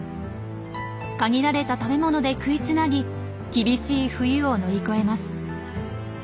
限られた食べ物で食いつなぎ厳しい冬を乗り越えます。